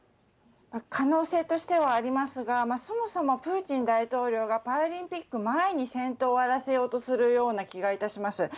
可能性としてはありますが、そもそもプーチン大統領がパラリンピック前に戦闘を終わらせようとするような気がいたします。